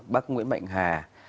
bác nguyễn mạnh hà